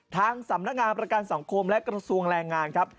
ทางสำนักงานประกันสังคมและกระทรวงแรงงานครับ